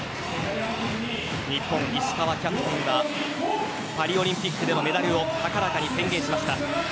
日本、石川キャプテンはパリオリンピックでのメダルを高らかに宣言しました。